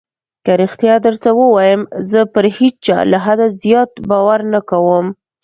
که رښتيا درته ووايم زه پر هېچا له حده زيات باور نه کوم.